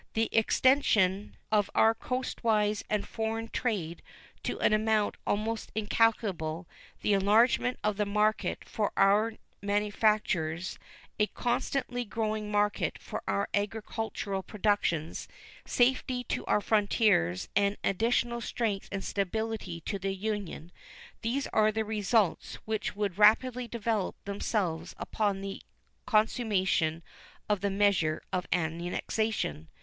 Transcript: The extension of our coastwise and foreign trade to an amount almost incalculable, the enlargement of the market for our manufactures, a constantly growing market for our agricultural productions, safety to our frontiers, and additional strength and stability to the Union these are the results which would rapidly develop themselves upon the consummation of the measure of annexation.